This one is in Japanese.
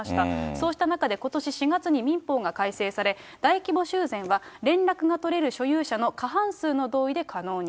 そうした中で、ことし４月に民法が改正され、大規模修繕は連絡が取れる所有者の過半数の同意で可能に。